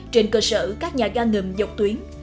trên cơ sở các nhà ga ngầm dọc tuyến